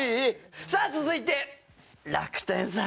さあ続いて楽天さん！